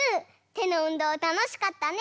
てのうんどうたのしかったね。